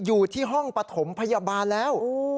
อยู่ที่ห้องปฐมพยาบาลแล้ว